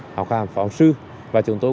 học hàm phó giáo sư và chúng tôi